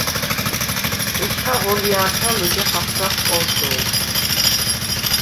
ეჩქა ღოლჲა̄ქა̈ ლჷჯა ხათრახ ყო̄შო̄ლშვ.